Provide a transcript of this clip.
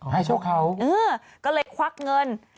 ให้โชคเขาก็เลยควักเงิน